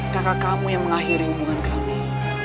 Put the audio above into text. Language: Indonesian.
kakak kamu yang mengakhiri hubungan kami